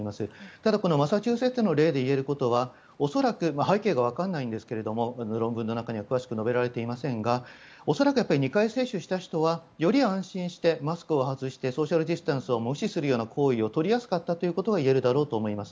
ただ、このマサチューセッツの例で言えることは背景がわからないんですが論文の中では詳しく述べられていませんが恐らく２回接種した人はより安心してマスクを外してソーシャル・ディスタンスを無視するような行為を取りやすかったということは言えるだろうと思います。